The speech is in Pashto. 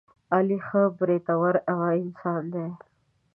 علي ښه برېتور انسان دی.